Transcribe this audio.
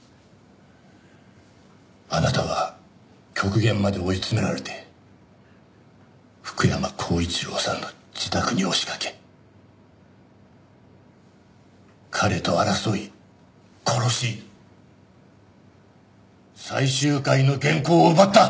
あなたは極限まで追い詰められて福山光一郎さんの自宅に押しかけ彼と争い殺し最終回の原稿を奪った。